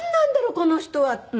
この人は」って。